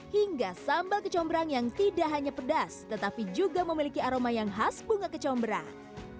hingga sambal kecombrang yang tidak hanya pedas tetapi juga memiliki aroma yang khas bunga kecombrang